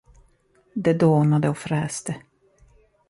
Det dånade och fräste.